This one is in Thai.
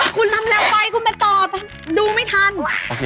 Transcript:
คุณนำแล้วไปคุณมาต่อดูไม่ทัน